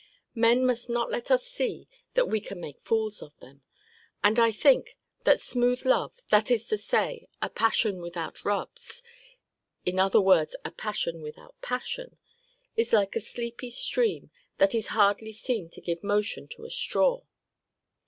Men must not let us see, that we can make fools of them. And I think, that smooth love; that is to say, a passion without rubs; in other words, a passion without passion; is like a sleepy stream that is hardly seen to give motion to a straw.